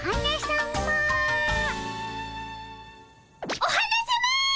お花さま！